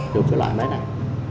chụp cái loại máy này